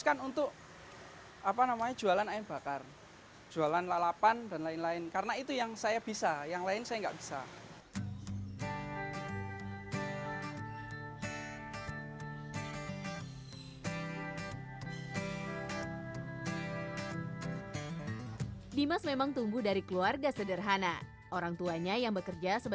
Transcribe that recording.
kalau sama dengan saat ini omsetnya sudah sampai berapa